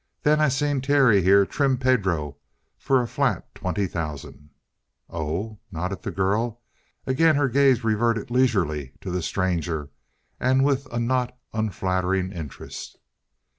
Then I seen Terry, here, trim Pedro for a flat twenty thousand!" "Oh," nodded the girl. Again her gaze reverted leisurely to the stranger and with a not unflattering interest.